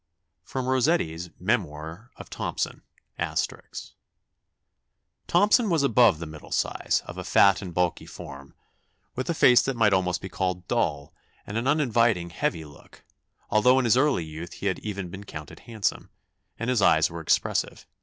[Sidenote: Rossetti's Memoir of Thomson. *] "Thomson was above the middle size, of a fat and bulky form, with a face that might almost be called dull, and an uninviting heavy look, although in his early youth he had even been counted handsome, and his eyes were expressive.